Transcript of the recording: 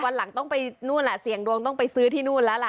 วันหลังต้องไปนู่นแหละเสี่ยงดวงต้องไปซื้อที่นู่นแล้วล่ะ